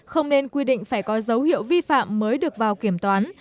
không nên quy định phải có dấu hiệu vi phạm mới được vào kiểm toán